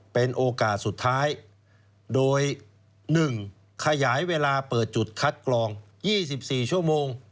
เป็นโอกาสสุดท้ายโดย๑ขยายเวลาเปิดจุดคัดกรอง๒๔ชั่วโมง